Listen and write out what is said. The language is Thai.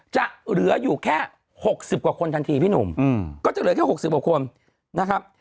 จะเหลืออยู่แค่๖๐กว่าคนทันทีพี่หนุ่มก็จะเหลือแค่๖๐กว่าคนนะครับ